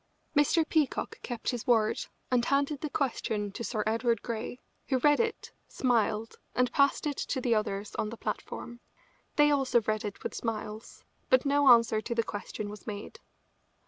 Mr. Peacock kept his word and handed the question to Sir Edward Grey, who read it, smiled, and passed it to the others on the platform. They also read it with smiles, but no answer to the question was made.